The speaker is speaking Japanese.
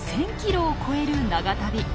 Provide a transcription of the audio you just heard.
１，０００ｋｍを超える長旅。